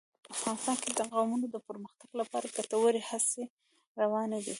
افغانستان کې د قومونه د پرمختګ لپاره ګټورې هڅې روانې دي.